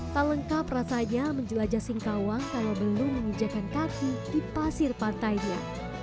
tak lengkap rasanya menjelajah singkawang kalau belum menginjakan kaki di pasir pantainya